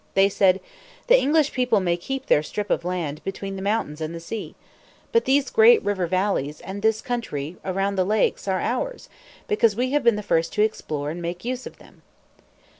They said, "The English people may keep their strip of land between the mountains and the sea. But these great river valleys and this country around the Lakes are ours, because we have been the first to explore and make use of them."